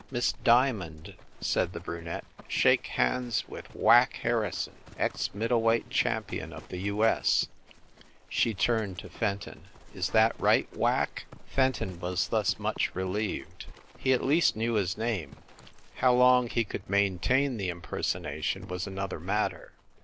"Miss Diamond," said the brunette, "shake hands with Whack Harrison, ex middle weight champion of the U. S." She turned to Fenton. "Is that right, Whack?" Fenton was thus much relieved. He at least knew his name. How long he could maintain the impersonation was another matter.